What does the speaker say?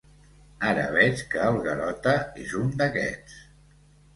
Ara veig que el Garota és un d'aquests.